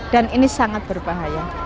dan ini sangat berbahaya